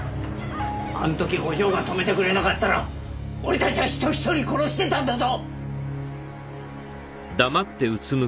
あん時お嬢が止めてくれなかったら俺たちは人一人殺してたんだぞ！